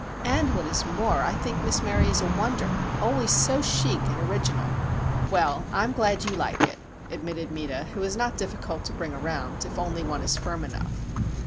"And what is more, I think Miss Murray is a wonder—always so chic and original." "Well, I'm glad you like it," admitted Meta, who is not difficult to bring around if only one is firm enough.